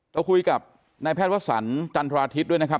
เราคุยกับนายแพทย์วสันจันทราทิศด้วยนะครับ